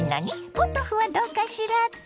ポトフはどうかしらって？